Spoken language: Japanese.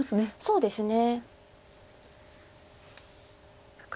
そうですね。